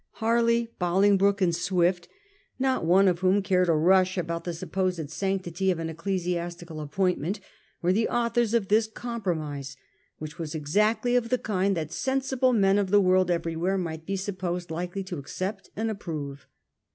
Harley, Bolingbroke and Swift, not one 1841. LAY PATRONS. 217 of ■whom cared a rush about the supposed sanctity of an ecclesiastical appointment, were the authors of this compromise, which was exactly of the kind that sensible men of the world everywhere might be supposed likely to accept and approve.